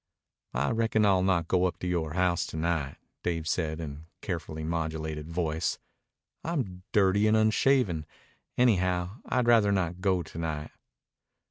"I reckon I'll not go up to your house to night," Dave said in a carefully modulated voice. "I'm dirty and unshaven, and anyhow I'd rather not go to night."